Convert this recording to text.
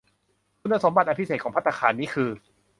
คุณสมบัติอันพิเศษของภัตตาคารนี้คือ